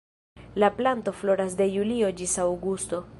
La planto floras de julio ĝis aŭgusto.